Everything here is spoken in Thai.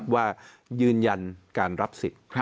ว่ายืนยันการรับสิทธิ์